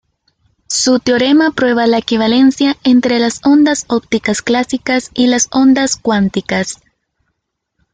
Su teorema prueba la equivalencia entre las ondas ópticas clásicas y las ondas cuánticas.